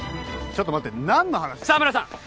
ちょっと待って何の話沢村さん